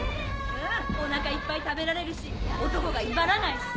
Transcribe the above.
お腹いっぱい食べられるし男が威張らないしさ。